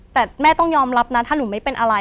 แต่แม่ต้องยอมรับนะถ้าหนูไม่เป็นอะไร